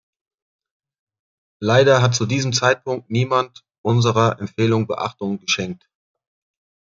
Leider hat zu diesem Zeitpunkt niemand unserer Empfehlung Beachtung geschenkt.